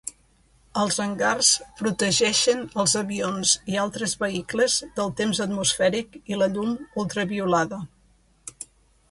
Els hangars protegeixen els avions i altres vehicles del temps atmosfèric i la llum ultraviolada.